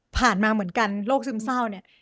มาเหมือนกันโรคซึมเศร้าเนี่ย